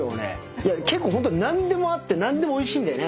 いや結構ホント何でもあって何でもおいしいんだよね。